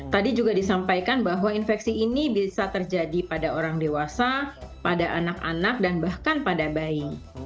tadi juga disampaikan bahwa infeksi ini bisa terjadi pada orang dewasa pada anak anak dan bahkan pada bayi